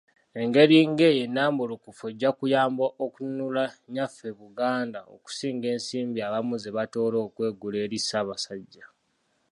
Engeri ng’eyo ennambulukufu ejja kuyamba okununula nyaffe Buganda okusinga ensimbi abamu zebatoola okwegula eri Ssabasajja.